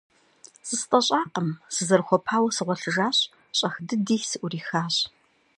ЗыстӀэщӀакъым, сызэрыхуэпауэ сыгъуэлъыжащ, щӀэх дыди сыӀурихащ.